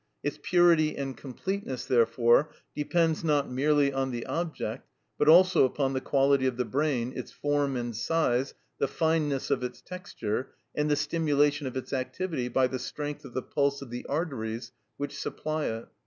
Its purity and completeness, therefore, depends not merely on the object, but also upon the quality of the brain, its form and size, the fineness of its texture, and the stimulation of its activity by the strength of the pulse of the arteries which supply it.